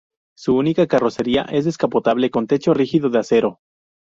Su única carrocería es descapotable con techo rígido de acero.